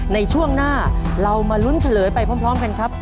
ในช่วงหน้าเรามาลุ้นเฉลยไปพร้อมกันครับ